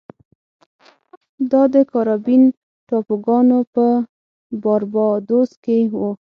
دا د کارابین ټاپوګانو په باربادوس کې و.